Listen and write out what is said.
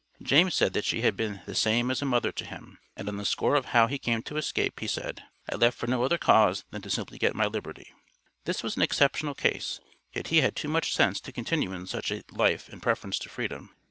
James said that she had been "the same as a mother" to him; and on the score of how he came to escape, he said: "I left for no other cause than simply to get my liberty." This was an exceptional case, yet he had too much sense to continue in such a life in preference to freedom.